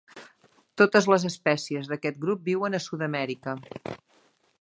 Totes les espècies d'aquest grup viuen a Sud-amèrica.